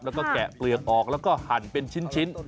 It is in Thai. แล้วก็แกะเปลือกออกแล้วก็หั่นเป็นชิ้น